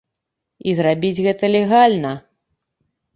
І зрабіць гэта легальна.